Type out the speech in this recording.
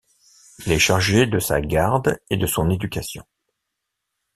Il est chargé de sa garde et de son éducation.